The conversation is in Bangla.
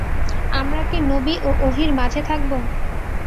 আমরা কি নবী ও ওহীর মাঝে থাকব?